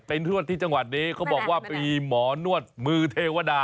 นวดที่จังหวัดนี้เขาบอกว่ามีหมอนวดมือเทวดา